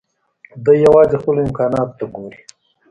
دی يوازې خپلو امکاناتو ته ګوري.